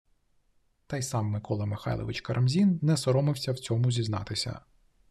Та й сам Микола Михайлович Карамзін не соромився в цьому зізнатися